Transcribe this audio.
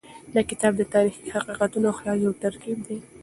دا کتاب د تاریخي حقیقتونو او خیال یو ترکیب دی.